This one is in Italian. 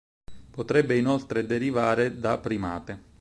Potrebbe inoltre derivare da "primate".